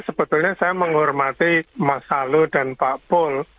sebetulnya saya menghormati mas saluh dan pak pol